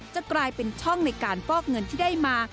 จะกลายเป็นช่องในการฟอกเงินที่ได้มา